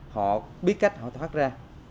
họ biết cách họ thoát ra